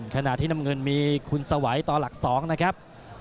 ขณะที่น้ำเงินมีคุณสวัยต่อหลัก๒นะครับ